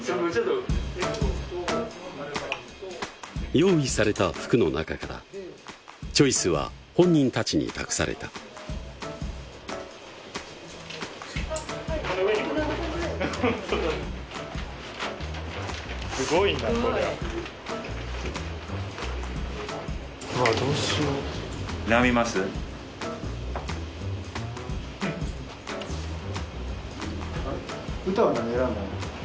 用意された服の中からチョイスは本人たちに託されたすごい悩みます？